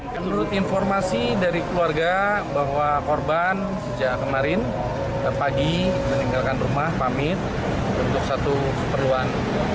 menurut informasi dari keluarga bahwa korban sejak kemarin pagi meninggalkan rumah pamit untuk satu keperluan